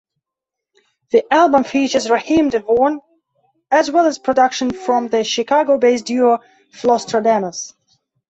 The album features Raheem DeVaughn as well as production from the Chicago-based duo Flosstradamus.